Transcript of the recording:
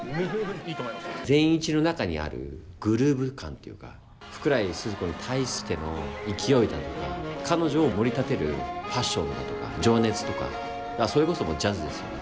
善一の中にあるグルーヴ感というか福来スズ子に対しての勢いだとか彼女をもり立てるパッションだとか情熱とかそれこそジャズですよね